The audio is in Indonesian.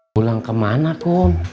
pulang kemana kum